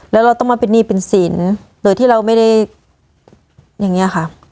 แล้วเราต้องมาเป็นหนี้เป็นสินโดยที่เราไม่ได้อย่างนี้ค่ะ